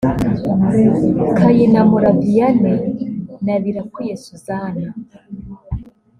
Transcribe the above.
Kayinamura Vianey na Birakwiye Suzana